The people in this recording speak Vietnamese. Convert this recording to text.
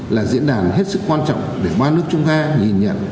là diễn đàn hết sức quan trọng để ba nước chúng ta nhìn nhận